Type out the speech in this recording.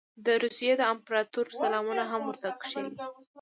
د روسیې د امپراطور سلامونه هم ورته کښلي.